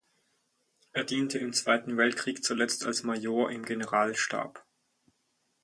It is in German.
Er diente im Zweiten Weltkrieg, zuletzt als Major im Generalstab.